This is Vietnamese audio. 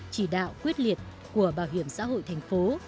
chỉ đạo quyết liệt của bảo hiểm xã hội thành phố